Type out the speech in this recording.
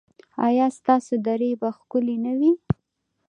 ایا ستاسو درې به ښکلې نه وي؟